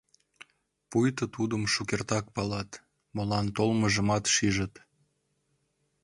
Пуйто тудым шукертак палат, молан толмыжымат шижыт.